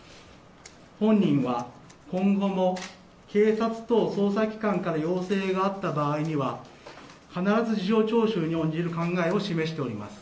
本人は今後も警察等、捜査機関から要請があった場合には必ず事情聴取に応じる考えを示しております。